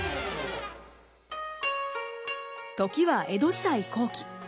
時は江戸時代後期。